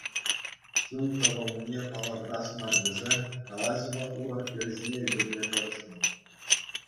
Чун тӑвӑлнине палӑртас мар тесе, калаҫӑва урӑх йӗр ҫине ӳкерме тӑрӑшрӑм.